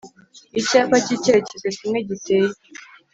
Icyapa cy’icyerekezo kimwe giteye